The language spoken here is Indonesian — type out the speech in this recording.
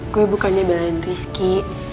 gue bukannya belain rizky